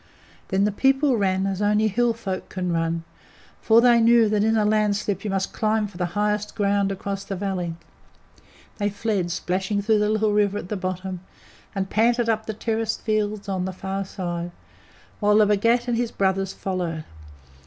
Then the people ran as only Hill folk can run, for they knew that in a landslip you must climb for the highest ground across the valley. They fled, splashing through the little river at the bottom, and panted up the terraced fields on the far side, while the Bhagat and his brethren followed.